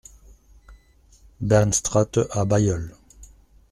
Bern Straete à Bailleul